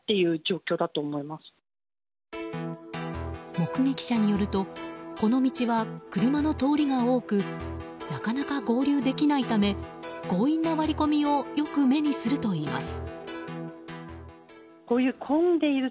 目撃者によるとこの道は車の通りが多くなかなか合流できないため強引な割り込みをよく目にするといいます。